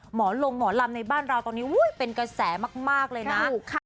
หมอนลงหมอนลำในบ้านราวตอนนี้เป็นกระแสมากเลยนะ